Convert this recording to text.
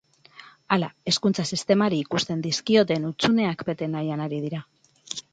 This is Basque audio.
Hala, hezkuntza sistemari ikusten dizkioten hutsuneak bete nahian ari dira.